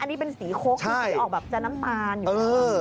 อันนี้เลิกสีโค้กแต่จะแข็งได้เซอร์ช์น้ำตาล